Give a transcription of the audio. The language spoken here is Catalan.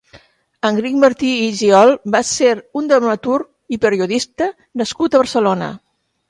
Enric Martí i Giol va ser un dramaturg i periodista nascut a Barcelona.